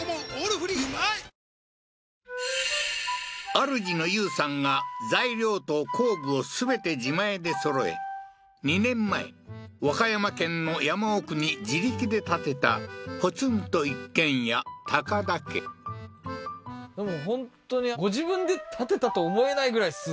あるじの有さんが材料と工具を全て自前でそろえ２年前和歌山県の山奥に自力で建てたポツンと一軒家高田家取りに行ったんですか？